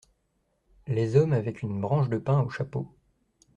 Les hommes avec une branche de pin au chapeau.